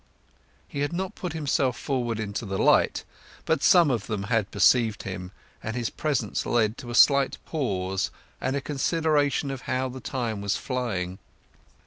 He had not put himself forward into the light, but some of them had perceived him, and his presence led to a slight pause and a consideration of how the time was flying.